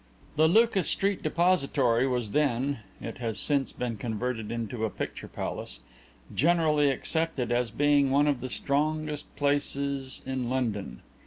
The Lucas Street depository was then (it has since been converted into a picture palace) generally accepted as being one of the strongest places in London.